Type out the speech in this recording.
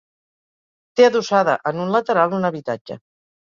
Té adossada en un lateral un habitatge.